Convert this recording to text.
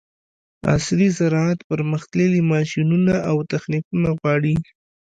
عصري زراعت پرمختللي ماشینونه او تخنیکونه غواړي.